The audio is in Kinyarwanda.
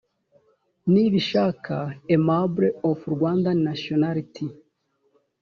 nibishaka aimable of rwandan nationality